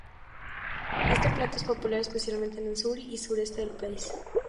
Este plato es popular especialmente en el sur y sureste del país.